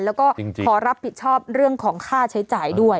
แล้วก็ขอรับผิดชอบเรื่องของค่าใช้จ่ายด้วย